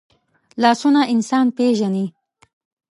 لاسونه انسان پېژني